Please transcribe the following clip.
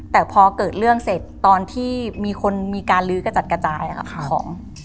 แต่พอเกิดเรื่องเสร็จตอนที่มีคนมีการลื้อกระจัดกระจายของ